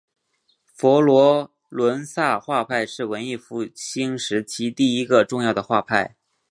佛罗伦萨画派是文艺复兴时期第一个重要的画派。